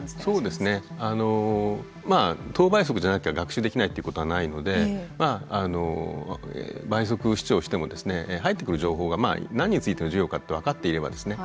そうですねあのまあ等倍速じゃなきゃ学習できないってことはないのでまああの倍速視聴してもですね入ってくる情報が何についての授業かって分かっていればですね